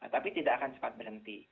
tapi tidak akan cepat berhenti